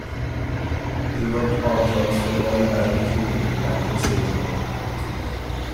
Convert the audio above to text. He worked odd jobs from oil barrel cleaning to vacuum salesman.